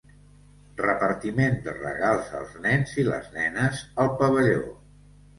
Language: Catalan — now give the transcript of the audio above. Repartiment de regals als nens i les nenes al pavelló.